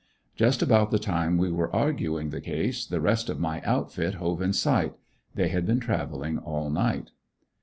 Just about the time we were arguing the case the rest of my outfit hove in sight; they had been traveling all night.